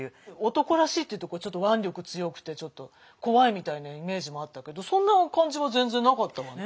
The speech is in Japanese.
男らしいっていうと腕力強くて怖いみたいなイメージもあったけどそんな感じは全然なかったわね。